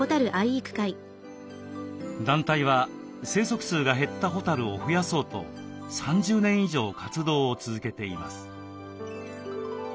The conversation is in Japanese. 団体は生息数が減ったホタルを増やそうと３０年以上活動を続けています。